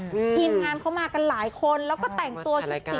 เพราะวันนั้นเนี้ยพีมมาเยอะมากันหลายคนแล้วก็แต่งตัวการ